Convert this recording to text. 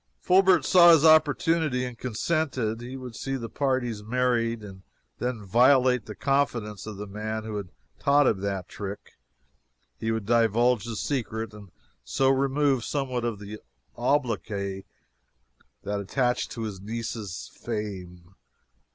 Fulbert saw his opportunity and consented. He would see the parties married, and then violate the confidence of the man who had taught him that trick; he would divulge the secret and so remove somewhat of the obloquy that attached to his niece's fame.